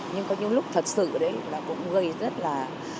nhưng có những lúc thật sự cũng gây rất là